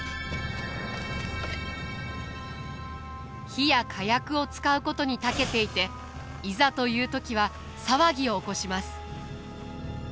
火や火薬を使うことにたけていていざという時は騒ぎを起こします。